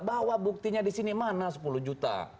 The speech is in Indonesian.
bawa buktinya di sini mana sepuluh juta